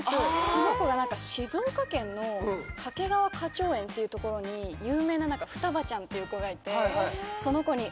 その子が静岡県の掛川花鳥園っていう所に有名なふたばちゃんっていう子がいてその子に。